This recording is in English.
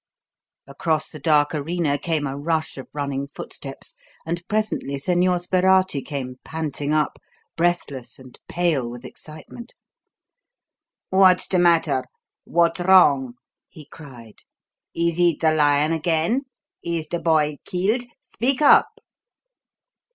Across the dark arena came a rush of running footsteps, and presently Señor Sperati came panting up, breathless and pale with excitement. "What's the matter? What's wrong?" he cried. "Is it the lion again? Is the boy killed? Speak up!"